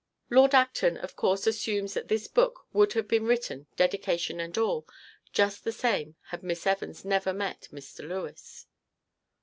Lord Acton of course assumes that this book would have been written, dedication and all, just the same had Miss Evans never met Mr. Lewes.